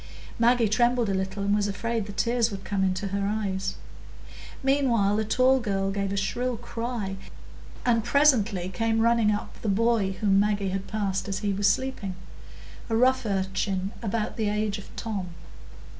Maggie trembled a little, and was afraid the tears would come into her eyes. Meanwhile the tall girl gave a shrill cry, and presently came running up the boy whom Maggie had passed as he was sleeping,—a rough urchin about the age of Tom.